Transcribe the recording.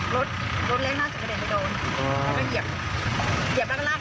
รถเล็กน่าจะกระเด็นไปโดน